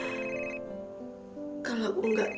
jangan sampai di ayoo jewelande exercise